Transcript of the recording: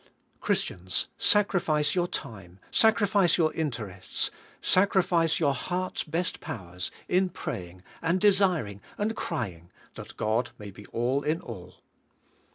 Christians, sacri fice your time; sacrifice your interests; sacrifice your heart's best powers in praying, and desiring, and crying that "God may be all in all."